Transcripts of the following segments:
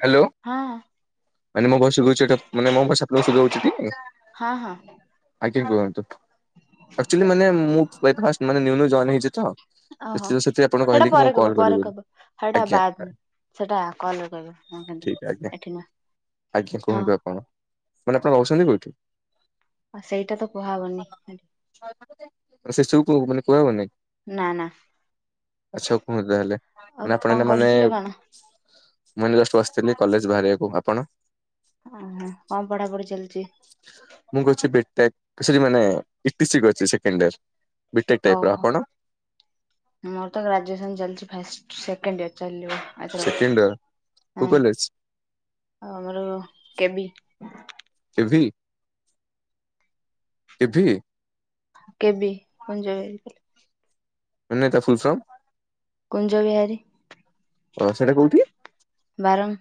Hello ହଁ ମାନେ ମୋ ଭଏସ ଶୁବୁଚି ମାନେ ମୋ ଭଏସଲ୍ ଆପଣଙ୍କୁ ଶୁବୁଛି। ହଁ ହଁ ଆଜ୍ଞା କୁହନ୍ତୁ ଆକଚୁଆଲି ମାନେ ଏ ଫାଷ୍ଟ ମୁ ନୂଆ ନୂଆ ଜଏନ ହେଇଚି ତ। ଓହୋ ସେଥିପାଇଁ ଆପଣ ସେଟା କହିଲେ କି ମୁଁ ପରେ କହିବ କଲ୍ କରିବି ପରେ ବୋଲି କହିବ ସେଟା ଆଜ୍ଞା ବାଦ ସେଟା କଲ କହିବ। ହଁ କିନ୍ତୁ ଠିକ ଆଜ୍ଞା ଏଠି ନୁହଁ ଆଜ୍ଞା ହଁ କୁହନ୍ତୁ ଆପଣ ମାନେ ଆପଣ ରହୁଛନ୍ତି କୋଉଠି? ଆଉ ସେଇଟା ତ କୁହାହବନି। ସେ ସବୁ କୁ ମାନେ କୁହା ହବନି। ନା ନା ଆଛ କୁହ ତା ହେଲେ ଆଉ ମାନେ ଆପଣ କଣ ଏଟ ମାନେ କରୁଥିଲେ କଣ ମୁଁ ଜଷ୍ଟ ବସିଥିଲି କଲେଜ ବାହାରିବାକୁ ଆପଣ? ଓହୋ କଣ ପଢାପଢି ଚାଲିଚ। ମୁଁ କରୁଚି ବି ଟେକ ସରୀ ମାନେ। [unintelligible] କରୁଛି ମାନେ ସେକେଣ୍ଡ ବ୍ୟାଚ ଓହୋ ମୋର ତ ଗ୍ରାଜୁଏସନ ଚାଲିଛି ଫାଷ୍ଟ ସେକେଣ୍ଡ ଇୟର ଚାଲିବ। ଆଛା ସେକେଣ୍ଡ ଇୟର କୋଉ ହୁଁ କଲେଜ? ଆଉ ଆମର କେବି। KV KV. କେବି କୁଞ୍ଜ ବିହାରୀ। ମାନେ ତା ଫୁଲଫର୍ମ। କୁଞ୍ଜ ବିହାରୀ। ଅ ସେଟା କୋଉଠି। ବାରଙ୍ଗ।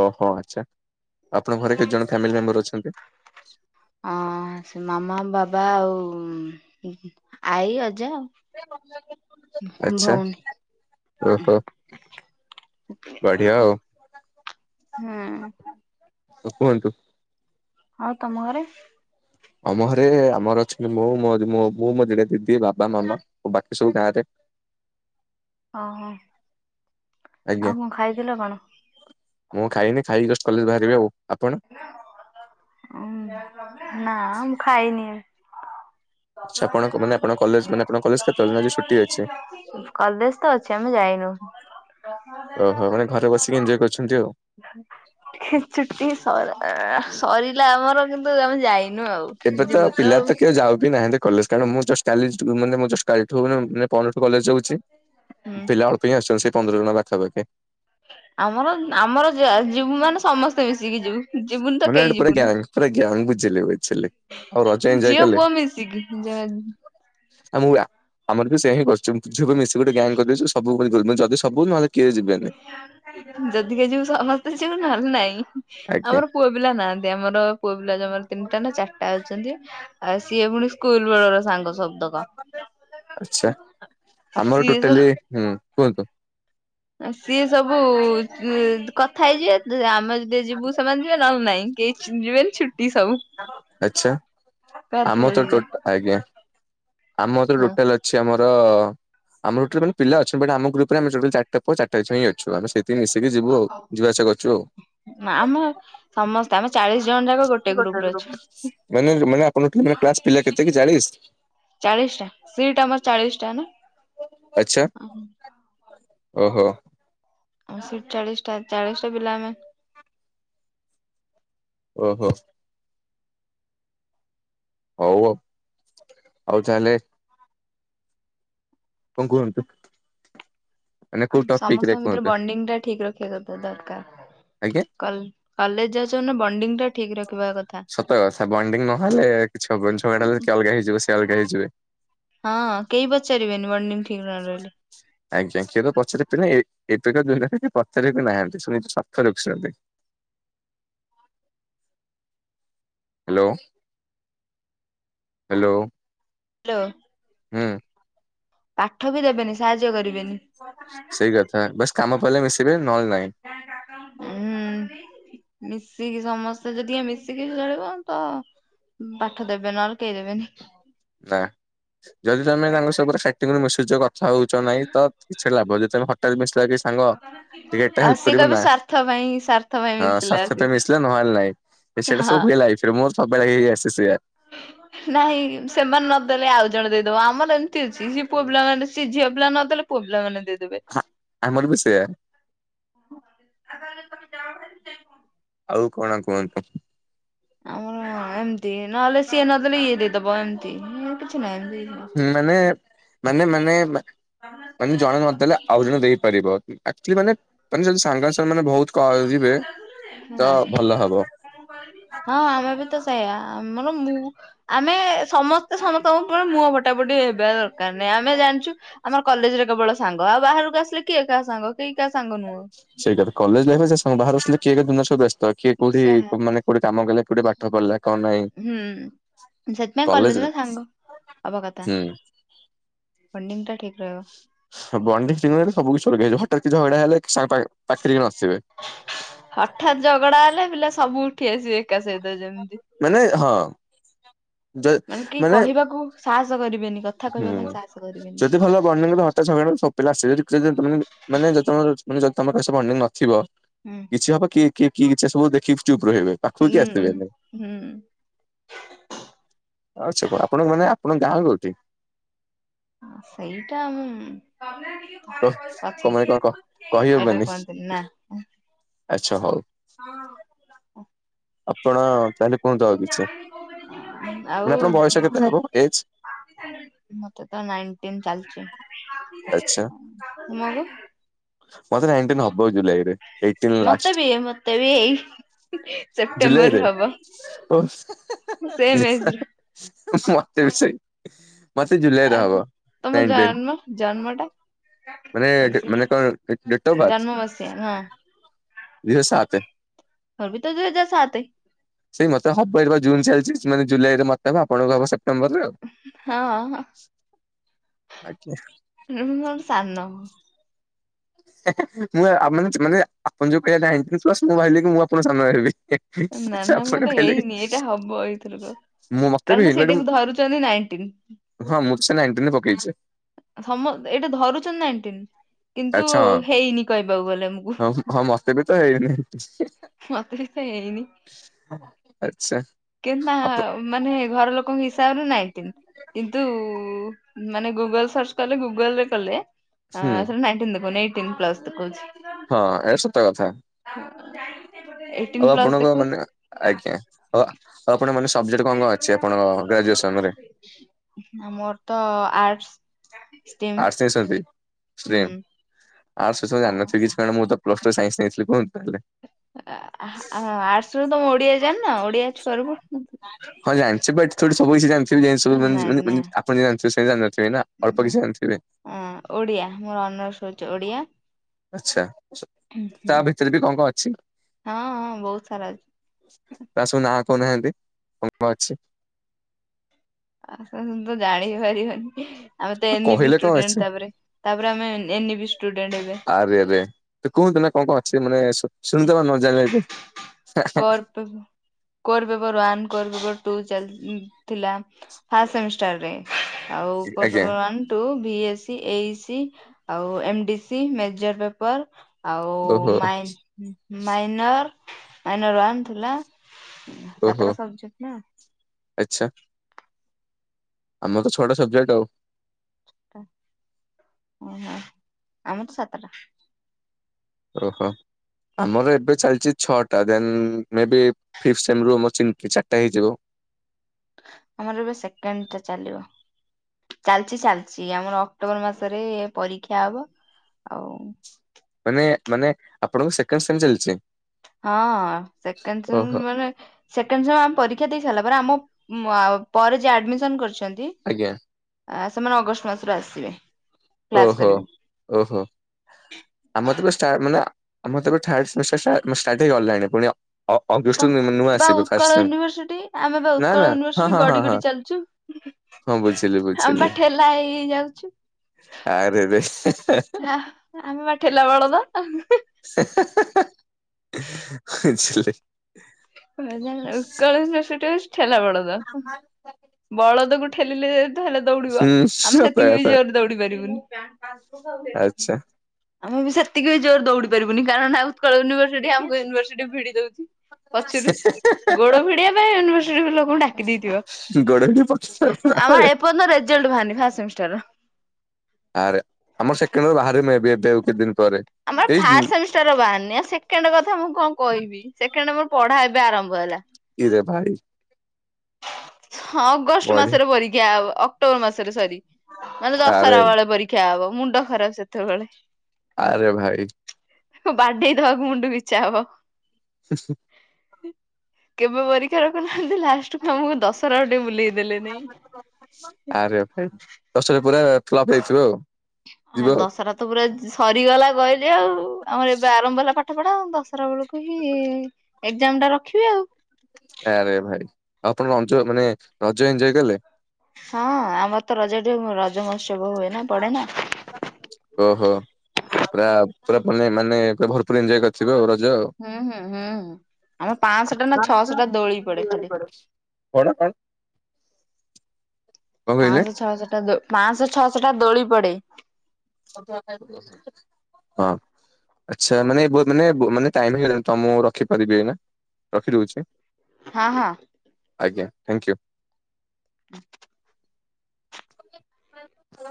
ଓ ହୋ ଆଚ୍ଛା ଆପଣଙ୍କ ଘରେ କେତେଜଣ ଫ୍ୟାମିଲି ମେମ୍ବର ଅଛନ୍ତି। ହଁ ସେ ମାମା ବାବା ଆଉ ଆଈ ଅଜା ଆଉ। ଆଛା ଭଉଣୀ ଓହୋ ବଢିଆ ହଁ ହୁଁ ହ କୁହନ୍ତୁ। ହଉ ତମ ଘରେ। ଆମ ଘରେ ଆମର ଅଛନ୍ତି ମୁଁ ମୁଁ ମୋ ଦିଟା ଦିଦି ବାବା ମାମା। ଉ ବାକି ସବୁ ଗାଁ ରେ। ଓହୋ ଆଜ୍ଞା ଆଉ କଣ ଖାଇଥିଲ କଣ? ମୁଁ ଖାଇନି ଖାଇକି ଯଷ୍ଟ କଲେଜ ବାହାରିବି ଆଉ ଆପଣ? ଉଁ ନା ମୁଁ ଖାଇନି। ଆଚ୍ଛା ଆପଣ ମାନେ ଆପଣ କଲେଜ ମାନେ ଆପଣ କଲେଜ କେତେବେଳେ ନା ଆଜି ଛୁଟି ଅଛି [unintelligible] କଲେଜ ତ ଅଛି ଆମେ ଯାଇନୁ। ଓହୋ ମାନେ ଘରେ ବସିକି ଏଞଜୟ କରୁଛନ୍ତି ଆଉ। ଚୁଟି ସ ସରିଲା ଆମର କିନ୍ତୁ ଆମେ ଯାଇନୁ। ଆଉ ଏବେ ତ ଯିବୁ ପିଲା ଆଉ। ତ କେବେ ଯାଉ ବିି ନାହିଁ ତ କଲେଜ୍ [unintelligible] ମୁଁ ଯୋଉ ଷ୍ଟାଇଲିସ୍ ମୁଁ ଯୋଉ ଷ୍ଟାଇଲିଷ୍ଟ ପ୍ରୋଗ୍ରାମ [unintelligible] କଲେଜ୍ ଯାଉଛି ହୁଁ ପିଲା [unintelligible] ପନ୍ଦର ଜଣ [unintelligible] ଆମର ଆମର ଯିବୁ ମାନେ ସମସ୍ତେ ମିଶିକି ଯିବୁ। ଯିବୁନି ତ ମାନେ କେହି ଏଠି ପୁରା ଯିବୁନି, ଗ୍ୟାଙ୍ଗ ପୁରା ଗ୍ୟାଙ୍ଗ ବୁଝିଲେ ବୁଝିଲେ। ଆଉ ରଜ ଏଞ୍ଜୟ ଝିଅ ପୁଅ ମିଶିକି। [inaudible] ଆଉ ମୁଁ ଆର ବି ସେ ହିଁ କରିୁଛି ଝିଅ ବି ମିଶି ଗୋଟେ ଗ୍ୟାଙ୍ଗ କରିଦେଇଛୁ ସବୁ ଯଦି ସବୁ ନହେ ଯଦିକ ଯିବୁ ସମସ୍ତେ ଯିବୁ ନହେଲେ ନାହିଁ, [unintelligible] ଆଜ୍ଞା ପୁଅ ପ ପିଲା ନାହାନ୍ତି ଆମର ପୁଅ ପିଲା ଜମର ତିନିଟା ନା ଚାରିଟା ଅଛନ୍ତି। ଆଉ ସିଏ ପୁଣି ସ୍କୁଲ ବେଳର ସାଙ୍ଗ ସବୁ। ଆଛା ଆମର ସିଏ ସବୁ ଟୋଟାଲି ହୁଁ କୁହନ୍ତୁ? ସିଏ ସବୁ କଥା ହେଇଯିବେ ଆମ ଯେ ଯିବୁ ସେମାନେ ଯିବେ ନହେଲେ ନାହିଁ କେହି ଯିବେନି ଛୁଟି ସବୁ। ଆଛା କଥା ଆମ ତ ହେଇଯିବା। ଆଜ୍ଞା ଆମର ତ ହଁ ଟୋଟାଲ ଅଛି ଆମର ଆମର [unintelligible] ମାନେ ପିଲା ଅଛନ୍ତି ଆମ ଗ୍ରୁପ ରେ ଆମେ ଚାରିଟା ପୁଅ ଚାରିଟା ଝିଅ [unintelligible] ତୁ ମିଶିକି ଯିବୁ ଆଉ ଯିବା ଆସିବା କରୁଚୁ ଆଉ। ଆମେ ସମସ୍ତେ ଆମେ ଚାଳିଶ ଜଣ ଯାକ ଗୋଟେ ଗ୍ରୁପ ରେ ଅଛୁ ମାନେ ମାନେ ଆପଣଙ୍କ ପିଲା କେତେ କି ଚାଳିଶ ଚାଳିଶ ଟା ସିଟା ଆମର ଚାଳିଶ ଟା ନା। ଆଚ୍ଛା ଓହୋ। ଆଉ ସିଟ ଚାଳିଶଟା ଚାଳିଶ ଟା ପିଲା ଆମେ ଓହୋ। ହଉ ହଉ ଆଉ ତାହେଲେ କଣ କୁହନ୍ତୁ? ମାନେ କୋଉ ଟପିକ ରେ ସମସ୍ତଙ୍କ ଭିତରେ କୁହନ୍ତୁ ବଣ୍ଡିଙ୍ଗ ଟା ଠିକ ରଖିବା ଆଜ୍ଞା। ଦରକାର। କଲେ କଲେଜ ଯାଉଛ ବଣ୍ଡିଙ୍ଗ ଟା ଠିକ ରଖିବା କଥା। ତ ସେ ବଣ୍ଡିଙ୍ଗ ନହେଲେ କି [unintelligible] ଛୁଆଟ ହେଲେ ଅଲଗା ହେଇଯିବ ସେ ଅଲଗା ହେଇଯିବ। ହଁ କେହି ପଚାରିବେନି ବଣ୍ଡିଙ୍ଗି ଠିକ୍ ନରହିଲେ। ଆଜ୍ଞା କିଏ ତ ପଚାର ନା ଏବେକା ପଚାର ବିି ନାହାନ୍ତି ଶୁଣି [unintelligible] ହ୍ୟାଲୋ ହ୍ୟାଲୋ। ହ୍ୟାଲୋ। ହୁଁ। ପାଠ ବି ଦେବେନି ସାହାଯ୍ୟ କରିବେନି। ସେଇ କଥା ବସ କାମ ପିଲଲେ ମିଶିବେ ନହେଲେ ନହିଁ। ମିଶିକି ସମସ୍ତେ ଯଦି ମିଶିକି ଚଳିବ ତ ପାଠ ଦେବେ ନହେଲେ କେହି ଦେବେନି। ନା ଯଦି ତମେ ତାଙ୍କ ସର [unintelligible] ମିଶୁଛ କଥା ହଉଛ ନାହିଁ ତ କିଛି ଲାଭ ଯେଦ [unintelligible] ହଠାତ୍ କିଛି [unintelligible] ସାଙ୍ଗ ଟିକେ ଏଟା ଆଉ ହେଲ୍ପ ସିଏ କରିବ କହିବେ ନା ସ୍ଵାର୍ଥ ପାଇଁ ସ୍ଵାର୍ଥ ପାଇଁ ହଁ ମିଶିଲା ସ୍ୱାର୍ଥ ଟାଇମ୍ ରେ ଆସିକି ମିଶିଲେ ନହଲେ ନାଇଁ। ବେ ସେଟା ହଁ ସବୁ ହୁଏ ଲାଇଫସ ରେ ମୋର ସବୁବେଳେ ହେଇ ହେଇ ଆସେ ସେଇଆ ନାଇଁ ସେମାନେ ନଦେଲେ ଆଉ ଜଣ ଦେଇଦବ ଆମର ଏମିତି ଅଛି ଝ ପୁଅ ପିଲାମାନେ ସିଏ ଝିଅ ପିଲା ନଦେଲେ ପୁଅ ପିଲା ମାନେ ଦେଇ ହଁ ଆମର ବି ସେଇଆ [inaudible] ଆଉ କଣ କୁହନ୍ତୁ। ଆମର ଏମିତି ନହେଲେ ସିଏ ନଦେଲେ ଇଏ ଦେଇଦବ ଏମିତି କିଛି ନାହିଁ ଏମିତି ନାହିଁ। ମାନେ ମାନେ ମାନେ ମାନେ ଜଣ ନଦେଲେ ଆଉ ଜଣେ ଦେଇ ପାରିବ ଆକଚୁଲି ମାନେ ମାନେ ଜଦି ସାଙ୍ଗ ସା ମାନେ ବହୁତ କରିବେ ତ ହଁ। ଭଲ ହବ। ହଁ ଆମେ ବି ତ ସେଇା ଆମର ମୁଁ ଆମେ ସମସ୍ତେ ସମସ୍ତଙ୍କ ଉପରେ ମୁହଁ ଫଟାପଟି ହେବା ଦ କାରନାହିଁ ଆମେ ଜାଣିଚୁ ଆମ କଲେଜରେ କେବଳ ସାଙ୍ଗ ଆଉ ବାହାରକୁ ଆସିଲେ କିଏ କାହା ସାଙ୍ଗ କେହି କାହା ସାଙ୍ଗ ନୁହଁ। ସେଇଟା ତ କଥା କଲେଜ ଲାଇଫ ସେ ସାଙ୍ଗ ବାହାରୁ ଆସିଲେ କିଏ ଦିନ ସବୁ ବ୍ୟସ୍ତ କିଏ କୋଠି ସେୟା ମାନେ କୋଉଠି କାମ କଲେ ଗୋଟେ ପାଠ ପଢିଲା କଣ ନାହିଁ ହୁଁ ସେଥିପାଇଁ କଲେଜରେ ସାଙ୍ଗ ହବା କଥା ବଣ୍ଡିଙ୍ଗ୍ ଟା ଠିକ ରିହିବ। ବଣ୍ଡିଙ୍ଗ୍ତ ଠିକ ନ ରହିଲେ ସବୁ କିଛି ଅଲଗା ହେଇଯିବ ହଠାତ୍ କିଛି ଝଗଡା ହେଲେ ସାଙ୍ଗ ପାଖ ପାଖରେ କି ଆସିବେ ହଠାତ୍ ଝଗଡା ହେଲେ ପିଲା ସବୁ ଉଠି ଆସିବେ। ଏକା ସହିତ ଯେମିତି ମାନେ ହଁ ଯ ମାନେ କି କହିବାକୁ ସାହସ କରିବେନି। କଥା କହିବା ପାଇଁ ହୁଁ ସାହସ କରିବେନି। ସେତିକ ଭଲ ବଣ୍ଡିଙ୍ଗ [unintelligible] ସବୁ ପିଲା ଆସିବେ [unintelligible] ମାନେ ଜଦି ତମର ମାନେ ଜଦି ତମର ଏସବୁ ବଣ୍ଡିଙ୍ଗ ନଥିବ ହୁଁ। କିଛି ହବ କିଏ କିଏ କିଏ ଇଚ୍ଛା ସବୁ ଦେଖିବି ଚୁପ ରହିବେ ପାଖକୁ କି ହୁଁ ଆସିଥିବେନି। ହୁଁ। ଆଛା କଣ ଆପଣଙ୍କ ମାନେ ଆପଣଙ୍କ ଗାଁ କୋଉଠି? ହ ସେଇଟା ଉଁ କ କଣପାଇଁ କଣ କହ ଏଇଟା କହିହବନି କୁହନ୍ତିନି ଆଚ୍ଛା ହଉ। ହଁ। ଆପଣ ତାହଲେ କୁହନ୍ତ ଆ କିଛି ଆଉ ମ ଆପଣ ବୟସ କେତେ ହବ ଏଜ୍? ମତେ ତ ନାଇନଟିନ୍ ଚାଲିଚି। ଆଚ୍ଛା ତମର? ମତେ ନାଇଣ୍ଟିନ୍ ହବ ଏଇ ଜୁଲାଇରେ। ଏଇଟିନ୍ ମତେ ଲାଷ୍ଟ ବି ମତେ ବି ଏଇ ସେପ୍ଟେମ୍ବର ଜୁଲାଇରେ ହବ। ଓ ସେମ୍ ଏଜ୍ ର ମତେ ବି ସେଇ ମତେ ଜୁଲାଇରେ ଆଉ ହବ ତମ ନାଇଣ୍ଟିନ୍। ଜନ୍ମ ଜନ୍ମଟା ମାନେ ମାନେ କଣ ଡେଟ୍ ଅଫ୍ ମସିଆ ବାର୍ଥ ଜନ୍ମ ମସିଆ ହଁ। ଦୁଇ ହଜାର ସାତେ। ମୋର ବି ତ ଦୁଇହାଜର ସତେ। ସେଇ ମତେ ହବ ଏଇଟା ପା ଜୁନ ଚାଲିଛି ସେ ମାନେ ଜୁଲାଇରେ ମତେ ହବ ଆପଣ ହବ ସେ ପ୍ଟେମ୍ବର ରେ ଆଉ ହଁ। ଆଜ୍ଞା। ହୁଁ ଉଁ ସାନ। [unintelligible] ମୁଁ ମାନେ ଆପଣ ଯୋଉ କହିଲେ ନାଇଣ୍ଟିନ୍ ପ୍ଲସ୍ ମୁଁ ଭାଇିଲ କି ମୁଁ ଆପଣଙ୍କ ସାନ ହେବି। ନା ନା ଆପଣ ମତେ କହିଲେ ହେଇନି ଏଇଟା ହବ ଏଇଥରକ। ମୁଁ ମତେ ବି କାରଣ ହେଇନି ବଟ୍ ସେଇଟାକୁ ଧରୁଚନ୍ତି ନାଇଣ୍ଟିନ୍। ହଁ ମୁଁ ସେଇ ନାଇଣ୍ଟିନ୍ ରେ ପକେଇଚି। ସମ ଏଇଟା ଧରୁଚନ୍ତି ନ ଏଇଣ୍ଟିନ୍ କିନ୍ତୁ ଆଚ୍ଛା ହଁ। ହେଇନି କହିବାକୁ ଗଲେ ମୁଁ ହଁ ହଁ ମତେ ବି ତ ହେଇନି। ମତେ ବି ତ ହେଇନି। ଆଚ୍ଛା। କିନ୍ତୁ ତା ଆପ ମାନେ ଘର ଲୋକଙ୍କ ହିସାବରେ ନାଇନଟିନ୍। କିନ୍ତୁ ମାନେ ଗୁଗଲ ସର୍ଚ୍ଚ କଲେ ଗୁଗଲ ରେ କଲେ। ଆ ହୁଁ ଥେରେ ନାଇଣ୍ଟିନ୍ ଦେଖଉନି ଏଇଟିନ୍ ପ୍ଲସ୍ ଦେଖଉଛି। ହଁ ଏଇଟା ସତ କଥା। ହଁ। ଆଉ ଆପଣଙ୍କ ମାନେ ଆଜ୍ଞା ଆଉ ଆପଣଙ୍କ ମାନେ ସବଜେକ୍। ମୋର ତ ଆର୍ଟସ। ଷ୍ଟିମ୍। ତଥାପି ହୁଁ। ଷ୍ଟ୍ରିମ। ଆଟ୍ସ ବିସୟରେ ଜଣିନଥିବି କିଛି କାହିଁକି ନା ମୁଁ ତ ପ୍ଲସ ଟୁ ରେ ସାଇନ୍ସ ନେଇଥିଲି କୁହନ୍ତୁ ତାହେଲେ। ଆଁ ଆଟର୍ସ ରେ ତମ ଓଡିଆ ଜାଣି ନା ଓଡିଆ ଛୁଆର ପଢୁନ ହଁ ଜାଣିଛି ବଟ ଥୋଡି ସବୁ କିଛି ଜାଣିଛି। ଥିବି ଯେମିତି ସବୁ ମାନେ ନାଇଁ ମାନେ ନା। ମାନେ ଆପଣ ଯେମତି ଜାଣିଥିବେ ସେମତି ଜାିଣିନଥିବି ନା ଅଳ୍ପ କିଛି ଜାଣିଥିବି। ହଁ ଓଡିଆ ମୋର ଅନର୍ସ ହଉଛି ଓଡିଆ। ଆଛା ହୁଁ ହୁଁ ତା ଭିତରେ ବି କଁ କଁ ଅଛି। ହଁ ହଁ ବହୁତ ସାରା ଅଛି। ତା ସବୁ ନାଁ କହୁନାହାନ୍ତି କଣ କଣ ଅଛି। ଆଉ ସେମିତି ତ ଜାଣି ବି ପାରିବେନି ଆମେ ତ ଏ ନି ବି କହିଲେ କଣ ଅଛି। ଷ୍ଟୁଡେଣ୍ଟ ତାପରେ। ତାପରେ ଆମେ ଏ ନି ବି ଷ୍ଟୁଡେଣ୍ଟ ଏବେ। ଆରେ ଆରେ ତ କୁହନ୍ତୁ ନା କଣ କଣ ଅଛି ମାନେ ଶୁ ଶୁଣି ଦବା ନ ଜାଣିଲେ ବି। କରର୍ପବୁ core paper one core paper two ଚାଲିଥିଲା ଫାଷ୍ଟ ସେମିଷ୍ଟାର ରେ। ଆଉ ପାଇଁ କୋର ଆଜ୍ଞା paper one two, B A C, A E C, ଆଉ M D C, major paper. ଆଉ ଓହୋ ମାଇନ୍ ମାଇନର୍ ମାଇନର ୱନ୍ ଥିଲା। ହୁଁ ସାତଟା ସବଜେକ୍ଟ ନା। ଆଛା। ଆମର ତ ଛଟା ସବଜେକ୍ଟ ଆଉ। ଛ ଟା ଓହୋ ଆମର ତ ସାତଟା। ଓହୋ ଆମର ଏବେ ଚାଲିଛି ଛଅ। ତା ଧିଏରେ ମେ ବି ଫିଫ୍ ସେମ୍ ରୁ ମୋର ଚିନ୍ ଚାରିଟା ହେଇଯିବ। ଆମର ଏବେ ସେକେଣ୍ଡ ଟା ଚାଲିବ। ଚାଲିଛି ଚାଲିଛି ଆମର ଅକ୍ଟୋବର ମାସରେ ପରୀକ୍ଷା ହବ ଆଉ। ମାନେ ମାନେ ଆପଣଙ୍କ ସେକେଣ୍ଡ ସେମ୍ ଚାଲିଛି। ହଁ ସେକେଣ୍ଡ ସେମ୍ ଓହୋ ମାନେ। ସେକେଣ୍ଡ ସେମ୍ ଆମେ ପରୀକ୍ଷା ଦେଇ ସାରିଲା ପରେ ଆମ ଆ ପରେ ଯିଏ ଆଡମିସନ କରିଛନ୍ତି। ଆଜ୍ଞା। ଆ ସେମାନେ ଅଗଷ୍ଟ ମାସରୁ ଆସିବେ। ଓ କ୍ଲାସ ହୋ କରିବେ ଓ ହୋ। ଆମର ତ ଏବେ ଷ୍ଟା ମାନେ ଆମର ତ ଏବେ ଥାଡ଼୍ ସେମ ଷ୍ଟା ଷ୍ଟାଟ୍ ହେଇଗଲାଣି ପୁଣି। ଅ ତ ଅଗଷ୍ଟ ରୁ ମାନେ ନୁଆ ବା ଆସିବେ ଫାଷ୍ଟ ଉତ୍କଳ ୟୁନିଭରସିଟି ଆମେ ବା ସେମ ନା ଉତ୍କଳ ନା ହଁ ୟୁନିଭରସିଟି ହଁ ଗଡି ହଁ ହଁ। ଗଡି ଚାଲିଛୁ ହଁ ବୁଝିଲି ବୁଝିଲି। କାଈ ହେଇ ଯାଉଛିୁ। ଆରେ ରେ। ଆହା ଆମେ ବା ଠେଲା ବଳଦ। ହେଁ ହେଁ ହେଁ ହେଁ ବଝିଲ। ଉତ୍କଳ ସେଠି ଠେଲା ବଳଦ ବଳଦକୁ ଠେଲିଲେ। ହେଲେ ଦୌଡିବ ହୁଁ ଆମେ ସତ ସେତିକି ବି କଥା ଯୋରେ ଦୌଡି ପାରିବୁନି। ଆଚ୍ଛା ଆମେ ବି ସେତିକି ବି ଜୋର ଦଉଡି ପାରିବୁନି କାରଣ ନା ଉତ୍କଳୟନିଭର୍ସିଟି ଆମ ୟୁନ୍ଭର୍ସିଟି ଭିଡି ଦଉଛି। ପଛରୁ ଗୋଡ ଭିଡିିବା ପାଇଁ ୟୁନିଭର୍ସିଟି ଲୋକଙ୍କୁ ଡାକି ଦେଇଥିବ। ସି ଗଡେ [unintelligible] ଭନ ରେଜଲ୍ଟ ବାହାରିନି ଫାଷ୍ଟ ସେମେଷ୍ଟ୍ରର ଆରେ ଆମର ସେକେଣ୍ଡରୁ ବାହାରିବି ଏ ଏବେ ଆଉ କିଛି ଦିନି ପରେ। ଆମର ଏଇ ଫା [unintelligible] ସେରା ବାହାରିନି ଆଉ ସେକେଣ୍ଡ କଥା ମୁଁ କଣ କହିବି ସେକେଣ୍ଡ ମୋର ପଢା ଏବେ ଆରମ୍ଭ ହେଲା। ଇରେ ଭାଇ [unintelligible] ହଁ ଅଗଷ୍ଟ ବଢିଆ ମାସରେ ପରୀକ୍ଷା ହବ ଅକ୍ଟୋବର ମାସରେ ସରି ମାନେ ଆରେ ଦଶହରା ବେଳେ ପରୀକ୍ଷା। ଦେଖା ହବ ମୁଣ୍ଡ ଖରାପ ସେତେବେଳେ। ଆରେ ଭାଇ ବାଡେଇ ଦବାକୁ ମୁଣ୍ଡୁକୁ ବିଚଛା ହବ। ହେ ସେ [unintelligible] କେବେ ପରୀକ୍ଷା ରଖୁନାହାନ୍ତି ଲାଷ୍ଟକୁ ଆମକୁ ଦଶହରା ଆ ଟିକେ ବୁଲେଇ ଦେଲେ ନାଇଁ। ଆରେ ଭାଇ ଦଶରେ ପୁରା- ଫ୍ଲପ୍ ହେଇଥିବ ଆଉ ଯିବ ହଁ ଆଉ। ଦଶରା ତ ପୁରା ସରିଗଲା ଗହିଲେ ଆଉ ଆମର ଏବେ ଆରମ୍ଭ ହେଲା ପାଠ ପଢା ଆ ଦଶରା ବେଳକୁ- କୁ ହିଁ ଏକ୍ଜାମ ଟା ରଖିବି ଆଉ- ଆରେ ଭାଇ ଆଉ ଆପଣ ଙ୍କ ଅଞ୍ଚଳ ରେ ମାନେ ରଜ ଏଞ୍ଜୟ କଲେ। ହଁ, ଆମର ତ ରଜ ଏଠି, ରଜ ମହୋତ୍ସବ ହୁଏ! ନା ପଡେ ନା। ହ [inaudible] ଓହୋ, ପୁରା ପୁନେଇ ମାନେ ପୁରା ଭରପୁର ଏଞ୍ଜୟ କରିଥିବେ ଆଉ ରଜ ଆଉ! ହୁଁ, ହୁଁ, ହୁଁ ଆମର ପାଞ୍ଚଶହ ଟା ନା ଛଅଶହ ଟା ଦୋଳି ପଡେ ଖାଲି! କଣ କଣ? କଣ କହିଲେ? ପାଞ୍ଚଶହ ଛଅଶହଟା ଦୋ ପାଞ୍ଚଶହ ଛଅଶହ ଟା ଦୋଳି ପଡେ! [inaudible] ହଁ! ଆଚ୍ଛା, ମାନେ, ବହୁତ୍ ମାନେ ମାନେ ଟାଇମ୍ ହେଇଗଲାଣି ତ ମୁଁ ରଖିପାରିବି ଏଇନା? ରଖିଦଉଛି! ହଁ, ହଁ! ଆଜ୍ଞା, ଥ୍ୟାଙ୍କ ୟୁ! ହଁ [inaudible]